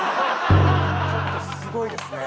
ちょっとすごいですね。